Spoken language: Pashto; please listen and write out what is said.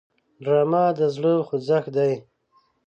ډرامه د زړه خوځښت دی